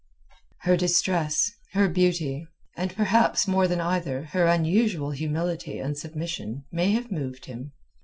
Her distress, her beauty, and perhaps, more than either, her unusual humility and submission may have moved him.